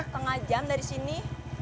tengah jam dari sini